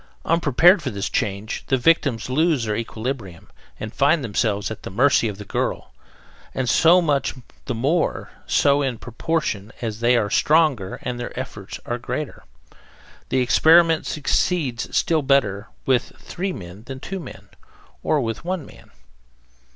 Unprepared for this change, the victims lose their equilibrium and find themselves at the mercy of the girl, and so much the more so in proportion as they are stronger and their efforts are greater. The experiment succeeds still better with three than with two men, or with one man.